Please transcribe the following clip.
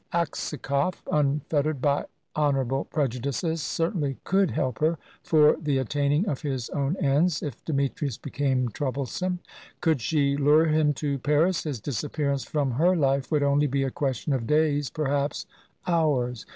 Aksakoff, unfettered by honourable prejudices, certainly could help her, for the attaining of his own ends, if Demetrius became troublesome. Could she lure him to Paris, his disappearance from her life would only be a question of days, perhaps hours.